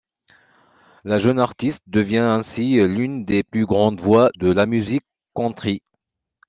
La jeune Artiste devient ainsi l'une des plus grandes voix de la musique country.